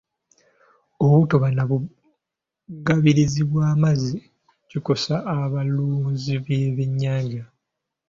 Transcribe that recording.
Obutaba na bugabirizi bw'amazzi kikosa abalunzi b'ebyennyanja.